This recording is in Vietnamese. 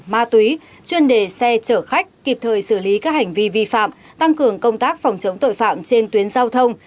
ma túy chuyên đề xe chở khách kịp thời xử lý các hành vi vi phạm tăng cường công tác phòng chống tội phạm trên tuyến giao thông